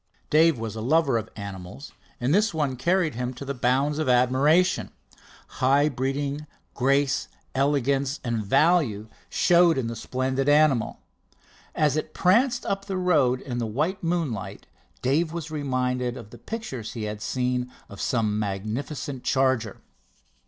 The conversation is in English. Dave was a lover of animals, and this one carried him to the bounds of admiration. High breeding, grace, elegance and value showed in the splendid animal. As it pranced up the road in the white moonlight, Dave was reminded of pictures he had seen of some magnificent charger.